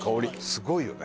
すごいよね。